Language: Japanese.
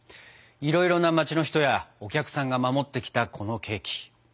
いろいろな街の人やお客さんが守ってきたこのケーキ。